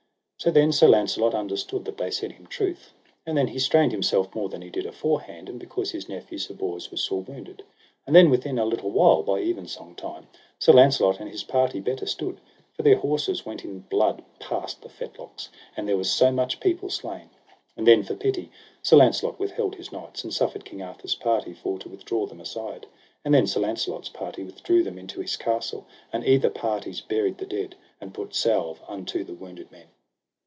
So then Sir Launcelot understood that they said him truth; and then he strained himself more than he did aforehand, and because his nephew Sir Bors was sore wounded. And then within a little while, by evensong time, Sir Launcelot and his party better stood, for their horses went in blood past the fetlocks, there was so much people slain. And then for pity Sir Launcelot withheld his knights, and suffered King Arthur's party for to withdraw them aside. And then Sir Launcelot's party withdrew them into his castle, and either parties buried the dead, and put salve unto the wounded men.